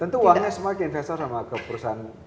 tentu uangnya semakin investor sama ke perusahaan